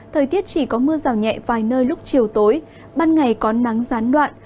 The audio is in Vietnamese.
thời tiết chỉ có mưa rào nhẹ vài nơi lúc chiều tối ban ngày có nắng gián đoạn